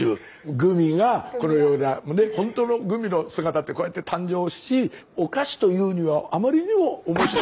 グミがこのようなほんとのグミの姿ってこうやって誕生しお菓子というにはあまりにも。ガッテン！